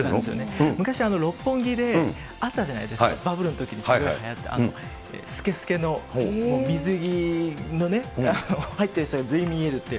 昔、六本木であったじゃないですか、バブルのときにすごいはやった、透け透けの、もう水着のね、入ってる人が全員見えるって。